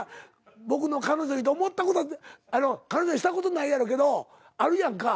僕の彼女にと思ったこと彼女にしたことないやろうけどあるやんか？